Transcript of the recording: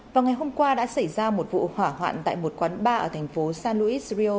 vào ngày hôm qua đã xảy ra một vụ hỏa hoạn tại một quán bar ở thành phố sanuis rio